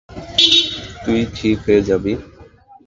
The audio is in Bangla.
তুই ঠিক হয়ে যাবি।